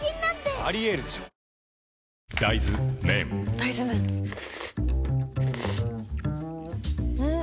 大豆麺ん？